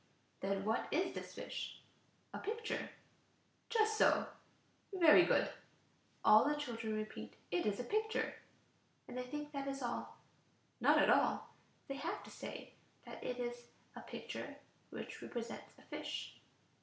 Then what is this fish?" "A picture." "Just so. Very good!" All the children repeat: "It is a picture," and they think that is all. Not at all. They have to say that it is a picture which represents a fish.